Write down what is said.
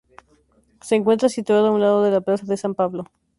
Se encuentra situado a un lado de la Plaza de San Pablo.